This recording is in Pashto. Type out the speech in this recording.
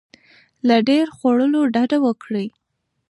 له ډیر خوړلو ډډه وکړئ.